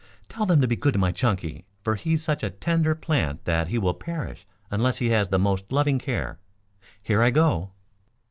"Tell them to be good to my Chunky, for he's such a tender plant that he will perish unless he has the most loving care. Here I go!"